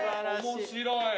面白い。